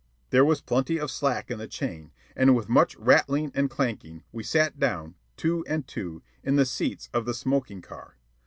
There was plenty of slack in the chain, and with much rattling and clanking we sat down, two and two, in the seats of the smoking car.